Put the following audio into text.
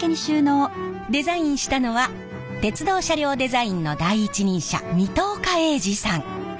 デザインしたのは鉄道車両デザインの第一人者水戸岡鋭治さん。